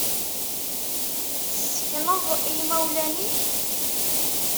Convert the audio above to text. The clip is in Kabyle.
Tessekneḍ i imawlan-ik?